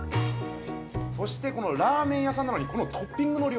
そしてラーメン屋さんなのにこのトッピングの量。